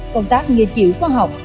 công tác nghiên cứu khoa học